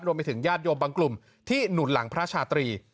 ญาติโยมบางกลุ่มที่หนุนหลังพระชาตรี